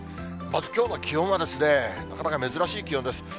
まずきょうの気温は、なかなか珍しい気温です。